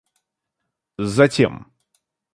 затем